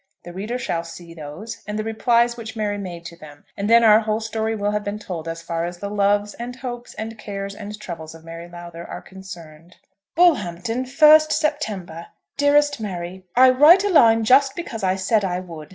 The reader shall see those, and the replies which Mary made to them, and then our whole story will have been told as far as the loves, and hopes, and cares, and troubles of Mary Lowther are concerned. Bullhampton, 1st September. DEAREST MARY, I write a line just because I said I would.